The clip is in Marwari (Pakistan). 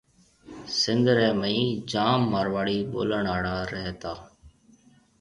سندھ رَي مئين جام مارواڙي ٻولڻ اݪا رَي تا